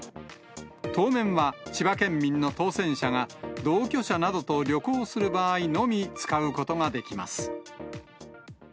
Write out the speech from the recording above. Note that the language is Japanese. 当面は、千葉県民の当せん者が同居者などと旅行する場合のみ使うことができます。